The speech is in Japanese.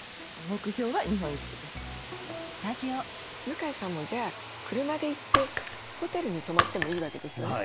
向江さんもじゃあ車で行ってホテルに泊まってもいいわけですよね。